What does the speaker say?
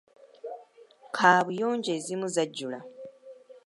Kaabuyonjo ezimu zajjula.